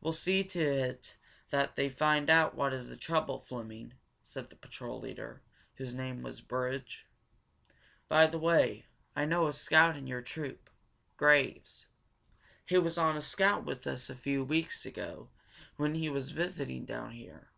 "We'll see to it that they find out what is the trouble, Fleming," said the patrol leader, whose name was Burridge. "By the way, I know a scout in your troop Graves. He was on a scout with us a few weeks ago, when he was visiting down here.